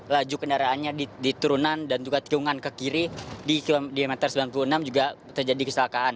laju kendaraannya di turunan dan juga tikungan ke kiri di kilometer sembilan puluh enam juga terjadi kecelakaan